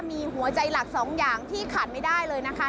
มีหัวใจหลักสองอย่างที่ขาดไม่ได้เลยนะคะ